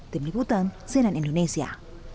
tim liputan senan indonesia